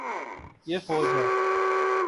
یے فوج ہے